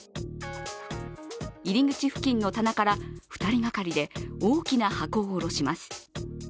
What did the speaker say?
入り口付近の棚から２人がかりで大きな箱を下ろします。